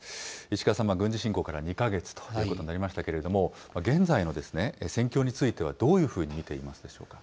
石川さん、軍事侵攻から２か月ということになりましたけれども、現在の戦況についてはどういうふうに見ていますでしょうか。